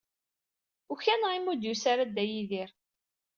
Ukaneɣ imi ur d-yusi ara Dda Yidir.